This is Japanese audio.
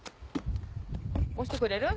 押してくれる？